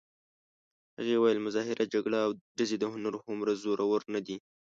هغې ویل: مظاهره، جګړه او ډزې د هنر هومره زورور نه دي.